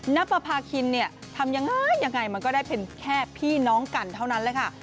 ปภาคินเนี่ยทำยังไงยังไงมันก็ได้เป็นแค่พี่น้องกันเท่านั้นแหละค่ะ